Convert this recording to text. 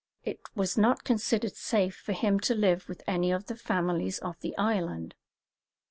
It was not considered safe for him to live with any of the families of the island.